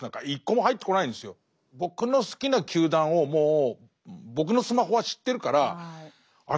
僕の好きな球団をもう僕のスマホは知ってるからあれ？